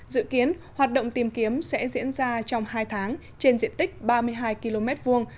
dự kiến hoạt động tìm kiếm sẽ diễn ra trong hai tháng trên diện tích ba mươi hai km hai